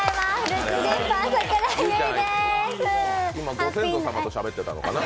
ハッピーな今、ご先祖様としゃべってたのかな？